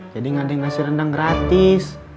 jadi ngading nasi rendang gratis